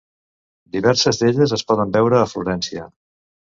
Diverses d'elles es poden veure a Florència.